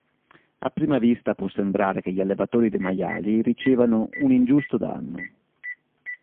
A prima vista può sembrare che gli allevatori dei maiali ricevano un ingiusto danno.